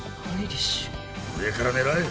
上から狙え！